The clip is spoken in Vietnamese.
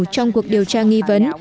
trong cuộc điều tra nghi vấn